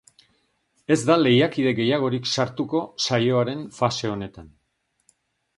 Ez da lehiakide gehiagorik sartuko saioaren fase honetan.